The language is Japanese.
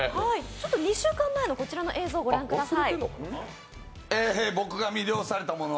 ２週間前のこちらの映像ご覧ください。